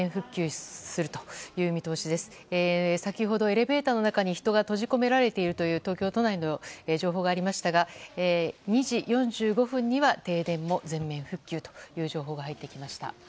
先ほど、エレベーターの中に人が閉じ込められているという東京都内の情報がありましたが２時４５分には停電も全面復旧という情報が入ってきました。